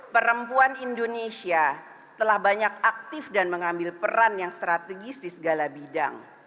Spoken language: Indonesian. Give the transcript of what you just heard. perempuan indonesia telah banyak aktif dan mengambil peran yang strategis di segala bidang